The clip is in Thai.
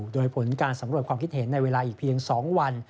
โดยผลการสำรวจความคิดเห็นในเวลาอีกเพียง๒วัน